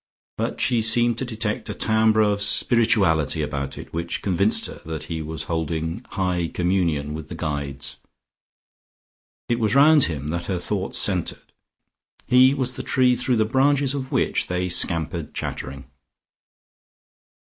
But she seemed to detect a timbre of spirituality about it which convinced her that he was holding high communion with the Guides. It was round him that her thoughts centred, he was the tree through the branches of which they scampered chattering.